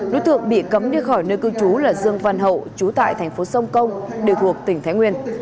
đối tượng bị cấm đi khỏi nơi cư trú là dương văn hậu chú tại thành phố sông công đều thuộc tỉnh thái nguyên